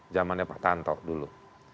jamannya pak tanto dulu